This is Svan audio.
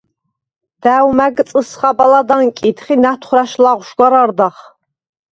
და̈ვ მა̈გ წჷსხა-ბალად ანკიდხ ი ნა̈თხვრა̈შ ლაღვშ გარ არდახ.